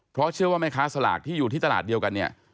เพราะเชื่อว่าแม่ค้าสลากที่อยู่ที่ตลาดเดียวกันเนี่ย